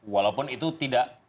walaupun itu tidak